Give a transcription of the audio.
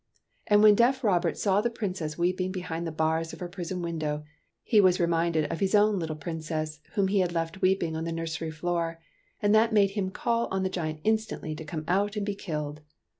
And when deaf Robert saw the Princess weeping behind the bars of her prison window, he was reminded of his own little Princess whom he had left weeping on the nursery floor; and that made him call on the giant instantly to come out and be killed.